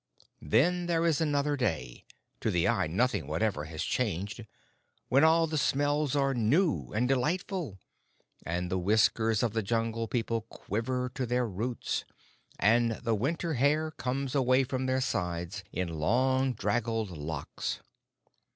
Then there is another day to the eye nothing whatever has changed when all the smells are new and delightful, and the whiskers of the Jungle People quiver to their roots, and the winter hair comes away from their sides in long, draggled locks.